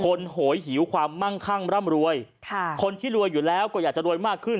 โหยหิวความมั่งคั่งร่ำรวยค่ะคนที่รวยอยู่แล้วก็อยากจะรวยมากขึ้น